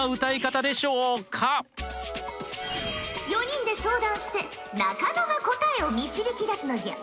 ４人で相談して中野が答えを導き出すのじゃ。